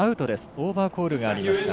オーバーコールがありました。